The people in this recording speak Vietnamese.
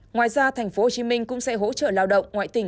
ngoài ra thành phố hồ chí minh cũng sẽ hỗ trợ lao động ngoại tỉnh